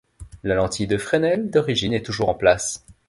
La lentille de Fresnel d'origine est toujours en place.